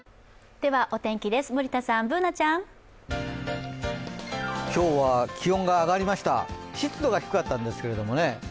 ではお天気です、森田さん、Ｂｏｏｎａちゃん。今日は気温が上がりました湿度が低かったんですけれどもね